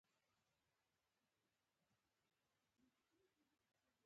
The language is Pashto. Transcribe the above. پاکستان که وغواړي هم نه شي کولی د افغانستان دوست شي